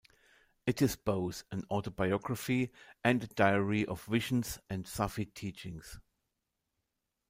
It is both an autobiography and a diary of visions and Sufi teachings.